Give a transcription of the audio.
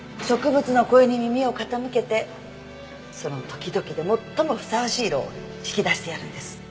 植物の声に耳を傾けてその時々で最もふさわしい色を引き出してやるんです。